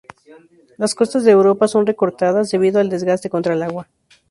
Las costas de Europa son recortadas, debido al desgaste contra el agua.